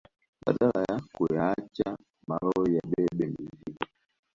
Badala ya kuyaacha malori yabebe mizigo